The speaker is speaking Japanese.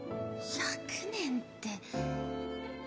１００年って。